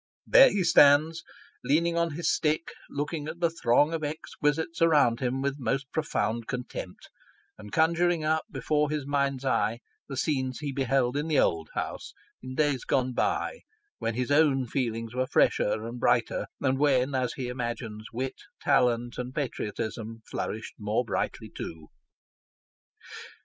There he stands, leaning on his stick ; looking at the throng of Exquisites around him with most profound contempt ; and conjuring up, before his mind's eye, the scenes he beheld in the old House, in days gone by, when his own feelings were fresher and brighter, and when, as he imagines, wit, talent, and patriotism flourished more brightly too.